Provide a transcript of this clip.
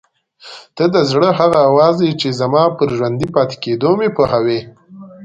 ته د زړه هغه اواز یې چې زما په ژوندي پاتې کېدو مې پوهوي.